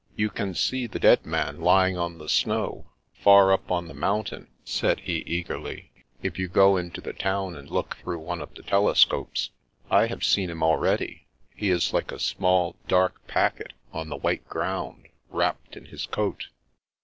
" You can see the dead man lying on the snow, far up on the mountain," said he eagerly, " if you go into the town and look through one of the telescopes. I have seen him already ; he is like a small, dark packet on the white ground, wrapped in his coat."